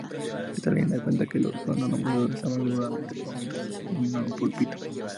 Esta leyenda cuenta que los gnomos organizaban regularmente conventos en el denominado "púlpito".